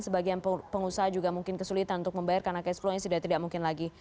sebagian pengusaha juga mungkin kesulitan untuk membayar karena cash flow nya sudah tidak mungkin lagi